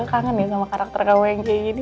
kangen ya sama karakter kamu yang kayak gini